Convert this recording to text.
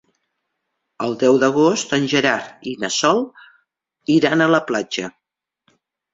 El deu d'agost en Gerard i na Sol iran a la platja.